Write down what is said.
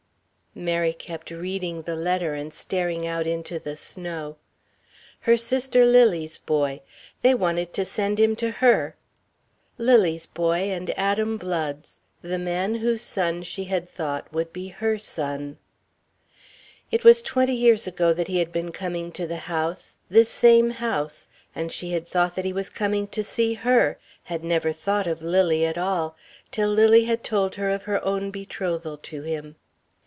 Mary kept reading the letter and staring out into the snow. Her sister Lily's boy they wanted to send him to her. Lily's boy and Adam Blood's the man whose son she had thought would be her son. It was twenty years ago that he had been coming to the house this same house and she had thought that he was coming to see her, had never thought of Lily at all till Lily had told her of her own betrothal to him.